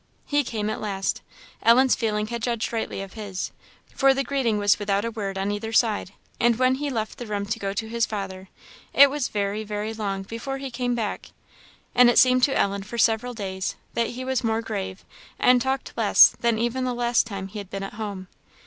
He came at last. Ellen's feeling had judged rightly of his, for the greeting was without a word on either side; and when he left the room to go to his father, it was very, very long before he came back. And it seemed to Ellen for several days that he was more grave, and talked less, than even the last time he had been at home.